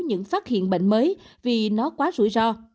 những phát hiện bệnh mới vì nó quá rủi ro